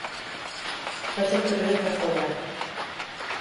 Vaig al carrer de Trafalgar.